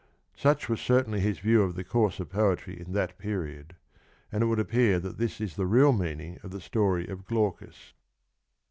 Such was certainly his view of the course of poetry in that period, and it would appear that this is the real meaning of the story of Glaucus.